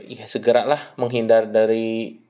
ya segeralah menghindar dari